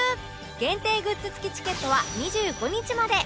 限定グッズ付きチケットは２５日まで